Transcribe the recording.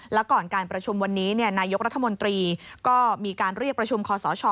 แล้วก่อนการประชุมวันนี้นายกรัฐมนตรีก็มีการเรียกประชุมคอสช